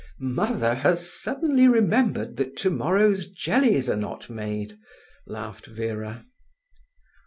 "Mother has suddenly remembered that tomorrow's jellies are not made," laughed Vera.